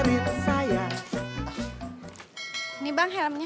ini bang helmnya